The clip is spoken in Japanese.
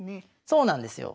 そうなんですよ。